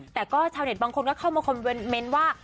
แต่ก็ชาวเน็ตบางคนก็เข้ามาคอมเมนต์ว่า